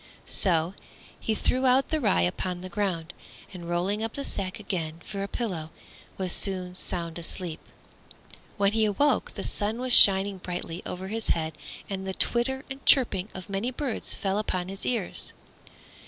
So he threw out the rye upon the ground, and rolling up the sack again for a pillow, was soon sound asleep. When he awoke the sun was shining brightly over his head and the twitter and chirping of many birds fell upon his ears.